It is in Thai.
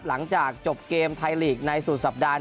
หลังจากจบเกมไทยลีกในสุดสัปดาห์